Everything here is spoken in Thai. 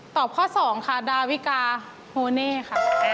ข้อ๒ค่ะดาวิกาโฮเน่ค่ะ